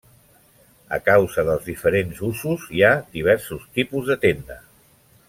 A causa dels diferents usos, hi ha diversos tipus de tenda.